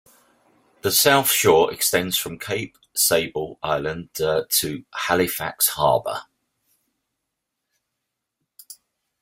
The South Shore extends from Cape Sable Island to Halifax Harbour.